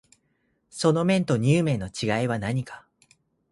そうめんとにゅう麵の違いは何か